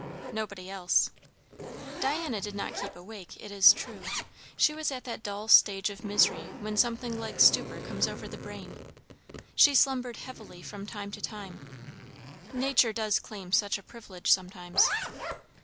Nobody else. Diana did not keep awake, it is true; she was at that dull stage of misery when something like stupor comes over the brain; she slumbered heavily from time to time. Nature does claim such a privilege sometimes.